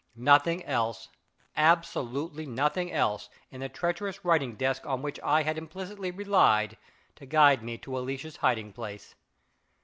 Nothing else; absolutely nothing else, in the treacherous writing desk on which I had implicitly relied to guide me to Alicia's hiding place.